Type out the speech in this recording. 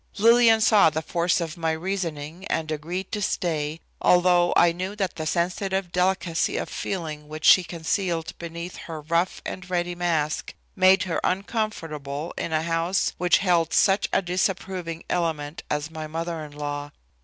Lillian saw the force of my reasoning and agreed to stay, although I knew that the sensitive delicacy of feeling which she concealed beneath her rough and ready mask made her uncomfortable in a house which held such a disapproving element as my mother in law.